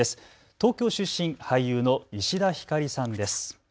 東京出身、俳優の石田ひかりさんです。